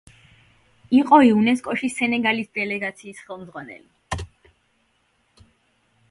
იყო იუნესკოში სენეგალის დელეგაციის ხელმძღვანელი.